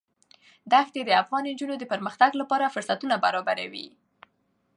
دښتې د افغان نجونو د پرمختګ لپاره فرصتونه برابروي.